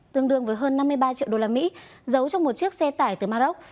tương đương với hơn năm mươi ba triệu đô la mỹ giấu trong một chiếc xe tải từ maroc